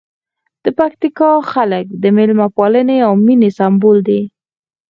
د پکتیکا خلک د مېلمه پالنې او مینې سمبول دي.